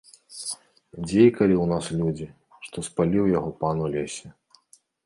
Дзейкалі ў нас людзі, што спаліў яго пан у лесе.